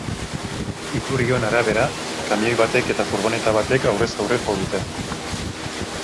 Iturrion arabera, kamioi batek eta furgoneta batek aurrez aurre jo dute.